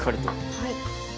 はい。